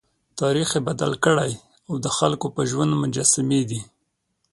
تاریخ یې بدل کړی او د خلکو په ژوند مجسمې دي.